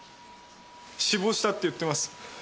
死亡したって言ってます。